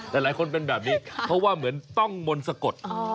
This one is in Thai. แต่หลายคนเป็นแบบนี้เพราะว่าเหมือนต้องมนต์สะกด